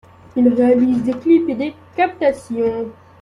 Il réalise des clips et des captations.